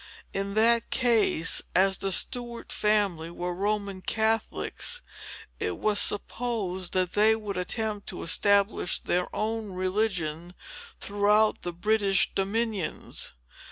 In that case, as the Stuart family were Roman Catholics, it was supposed that they would attempt to establish their own religion throughout the British dominions.